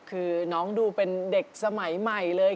คือน้องดูเป็นเด็กสมัยใหม่เลย